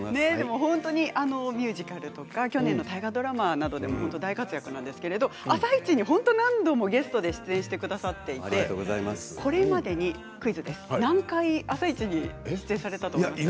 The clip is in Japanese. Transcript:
本当にミュージカルとか去年の大河ドラマなどでも大活躍なんですが「あさイチ」に何度もゲストで出演してくださっていてこれまでにクイズです、何回「あさイチ」に出演されていると思いますか？